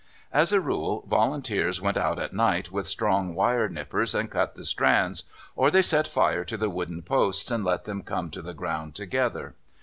As a rule, volunteers went out at night with strong wire nippers and cut the strands, or they set fire to the wooden posts and let them come to the ground together.